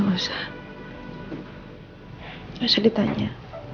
gak usah ditanya